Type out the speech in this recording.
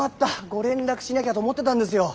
ご連絡しなきゃと思ってたんですよ。